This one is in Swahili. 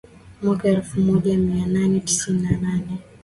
Mwaka elfu moja mia nane tisini na nane